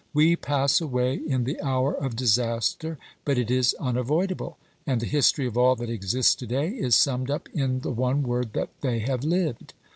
We pass away in thejhour of disaster, but it is unavoidable, and the history of all that exists to day is summed up in the one word that they have lived.